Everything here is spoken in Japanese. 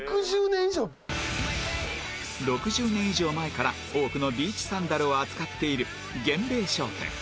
６０年以上前から多くのビーチサンダルを扱っているげんべい商店